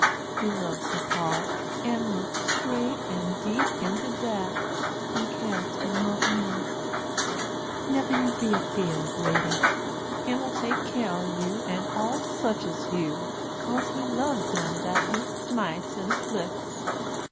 He loves de heart, and looks straight and deep into dat, and keres fur nothin' else. Never you be afeard, Ratie, Him'll take kere ob you, an' all sich as you, bekase He loves dem dat He smites and afflicts.